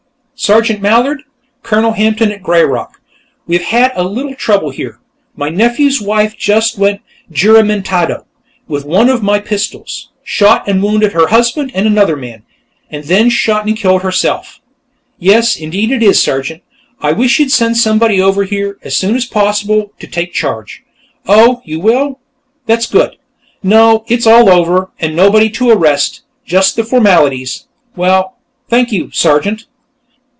"Sergeant Mallard? Colonel Hampton, at 'Greyrock.' We've had a little trouble here. My nephew's wife just went juramentado with one of my pistols, shot and wounded her husband and another man, and then shot and killed herself.... Yes, indeed it is, Sergeant. I wish you'd send somebody over here, as soon as possible, to take charge.... Oh, you will? That's good.... No, it's all over, and nobody to arrest; just the formalities.... Well, thank you, Sergeant."